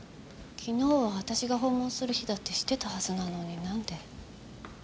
昨日は私が訪問する日だって知ってたはずなのになんで。